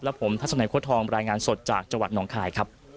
ผมทัศนัยโค้ดทองรายงานสดจากจังหวัดหนองคายครับ